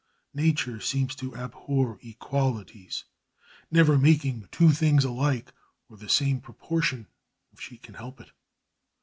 Nature seems to abhor equalities, never making two things alike or the same proportion if she can help it.